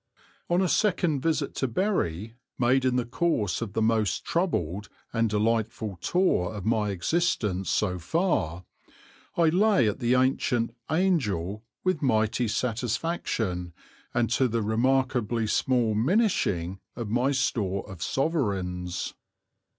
On a second visit to Bury, made in the course of the most troubled and delightful tour of my existence so far, I lay at the ancient "Angel" with mighty satisfaction and to the remarkably small minishing of my store of sovereigns.